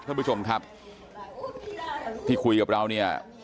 ท่านผู้ชมครับที่คุยกับเราเนี่ย